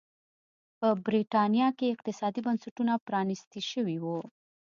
په برېټانیا کې اقتصادي بنسټونه پرانيستي شوي وو.